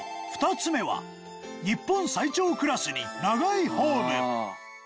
２つ目は日本最長クラスに長いホーム。